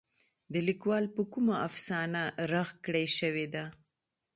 د ليکوال په کومه افسانه رغ کړے شوې ده.